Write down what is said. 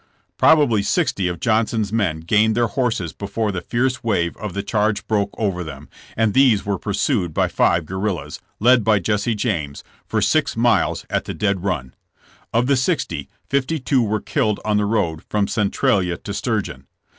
''Probably sixty of Johnson's men gained their horses before the fierce wave of the charge broke over them, and these were pursued by five guerrillas, led by Jesse James, for six miles at the dead run. Of the sixty, fifty two were killed on the road from Centralia to Sturgeon.